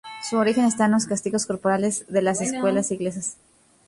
Su origen está en los castigos corporales en las escuelas inglesas.